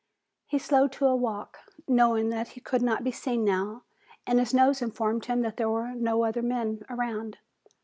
He slowed to a walk, knowing that he could not be seen now and his nose informed him that there were no other men around.